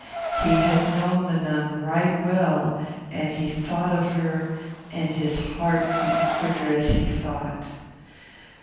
He had known the nun right well, and he thought of her, and his heart beat quicker as he thought.